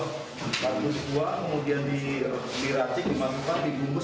habis buah kemudian diracik dimasukkan dibungkus